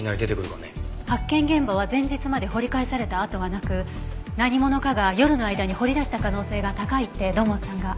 発見現場は前日まで掘り返された跡はなく何者かが夜の間に掘り出した可能性が高いって土門さんが。